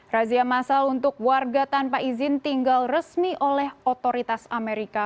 razia masal untuk warga tanpa izin tinggal resmi oleh otoritas amerika